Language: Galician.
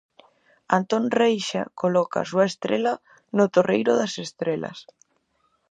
Antón Reixa coloca a súa estrela no Torreiro das Estrelas.